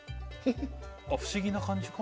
不思議な感じか？